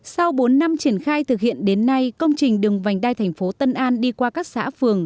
sau bốn năm triển khai thực hiện đến nay công trình đường vành đai thành phố tân an đi qua các xã phường